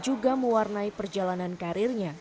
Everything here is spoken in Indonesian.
ia mewarnai perjalanan karirnya